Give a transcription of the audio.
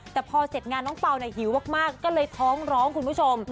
แต่พอเสร็จงานน้องเปล่าเนี่ยหิวมากก็เลยท้องร้องคุณผู้ชม